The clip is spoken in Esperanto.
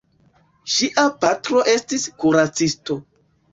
Ŝia patro estis kuracisto.